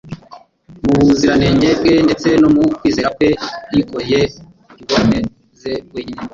Mu buziranenge bwe ndetse no mu kwizera kwe, Yikoreye ingorane Ze wenyine,